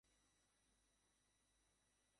আগাতে থাকব মানে?